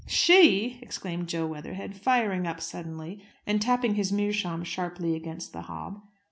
"She!" exclaimed Jo Weatherhead, firing up suddenly, and tapping his meerschaum sharply against the hob.